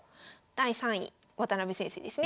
第３位渡辺先生ですね。